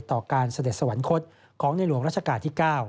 ต่อการเสด็จสวรรคตของในหลวงราชการที่๙